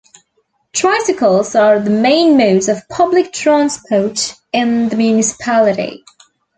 Tricycles are the main modes of public transport in the municipality.